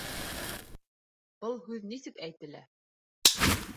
Был Һүҙ нисек әйтелә?